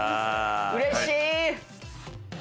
うれしい！